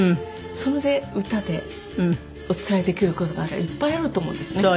それで歌でお伝えできる事まだいっぱいあると思うんですね。